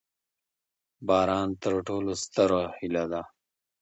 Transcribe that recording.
باران تر ټولو ستره هیله ده.